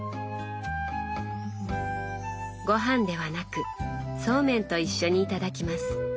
ごはんではなくそうめんと一緒にいただきます。